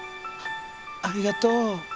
ありがとう。